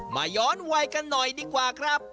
ย้อนวัยกันหน่อยดีกว่าครับ